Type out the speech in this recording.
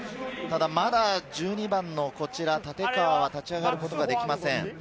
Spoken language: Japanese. まだ１２番の立川、立ち上がることができません。